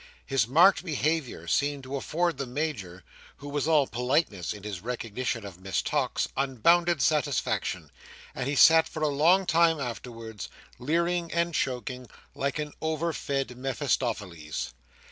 His marked behaviour seemed to afford the Major (who was all politeness in his recognition of Miss Tox) unbounded satisfaction; and he sat for a long time afterwards, leering, and choking, like an over fed Mephistopheles.